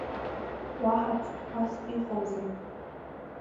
Уаҳа ԥстәқәас иҟоузеи…